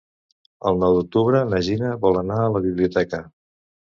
El nou d'octubre na Gina vol anar a la biblioteca.